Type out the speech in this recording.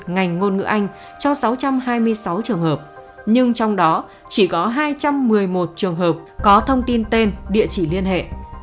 ngành ngôn ngữ anh cho sáu trăm hai mươi sáu trường hợp nhưng trong đó chỉ có hai trăm một mươi một trường hợp có thông tin tên địa chỉ liên hệ